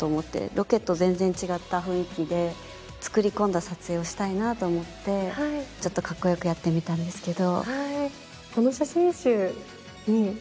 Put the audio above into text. ロケと全然違った雰囲気で、作り込んだ撮影をしたいなと思ってちょっとかっこよくやってみたんですけど。